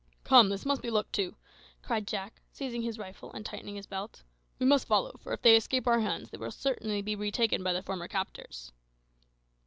"Come, this must be looked to," cried Jack, seizing his rifle and tightening his belt; "we must follow, for if they escape our hands they will certainly be retaken by their former captors."